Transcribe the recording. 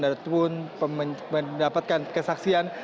dan pun mendapatkan kesaksian